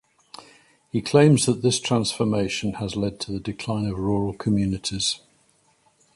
He claims that this transformation has led to the decline of rural communities.